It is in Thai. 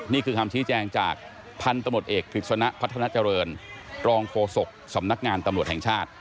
นี่คือคำชี้แจงจากพันธมตเอกกฤษณะพัฒนาเจริญรองโฆษกสำนักงานตำรวจแห่งชาติ